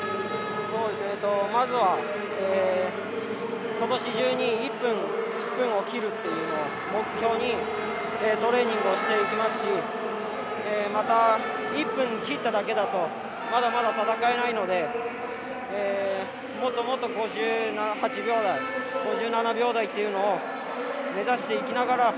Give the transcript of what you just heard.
そうですねまずは今年中に１分を切るっていうのを目標にトレーニングをしていきますしまた１分切っただけだとまだまだ戦えないのでもっともっと５８秒台５７秒台っていうのを目指していきながら。